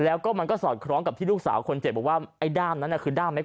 แล้วก็มันก็สอดคล้องกับที่ลูกสาวคนเจ็บบอกว่าไอ้ด้ามนั้นน่ะคือด้ามไหม